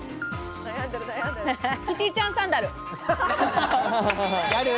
キティちゃんサンダル。